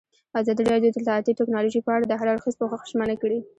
ازادي راډیو د اطلاعاتی تکنالوژي په اړه د هر اړخیز پوښښ ژمنه کړې.